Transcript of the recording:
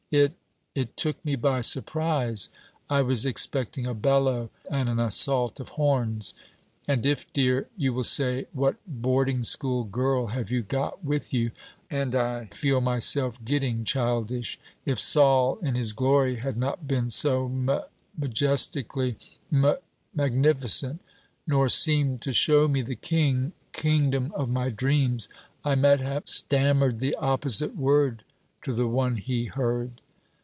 It... it took me by surprise; I was expecting a bellow and an assault of horns; and if, dear: you will say, what boarding school girl have you got with you! and I feel myself getting childish: if Sol in his glory had not been so m ... majestically m... magnificent, nor seemed to show me the king ... kingdom of my dreams, I might have stammered the opposite word to the one he heard.